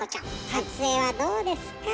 撮影はどうですか？